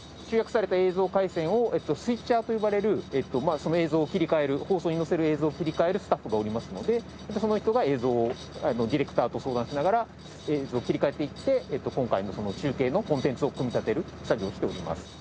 集約された映像回線をスイッチャーと呼ばれる映像を切り替える放送にのせる映像を切り替えるスタッフがおりますのでその人が映像をディレクターと相談しながら映像を切り替えていって今回の中継のコンテンツを組み立てる作業をしております。